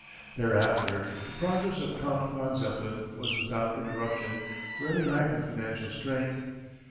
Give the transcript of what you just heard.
Thereafter the progress of Count von Zeppelin was without interruption for any lack of financial strength.